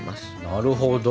なるほど。